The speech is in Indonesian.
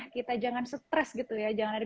kita jangan stres gitu ya jangan ada